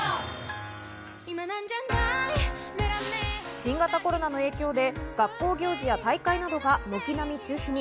新型コロナの影響で学校行事や大会などが軒並み中止に。